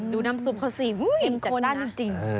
ดูน้ำซุปเขาสีบเย็นจักรด้านจริง